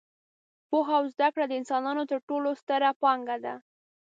پوهه او زده کړه د انسانانو تر ټولو ستره پانګه ده.